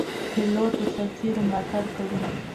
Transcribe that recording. پیلوټ د سرتېرو ملاتړ کوي.